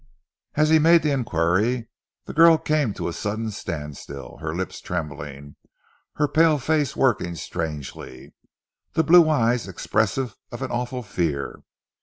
As he made the inquiry the girl came to a sudden standstill, her lips trembling, her pale face working strangely, the blue eyes expressive of awful fear.